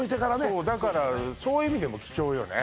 そうだからそういう意味でも貴重よね